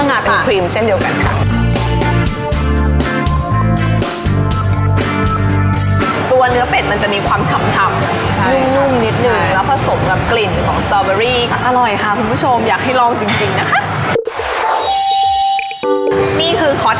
นี่คือคอสที่๗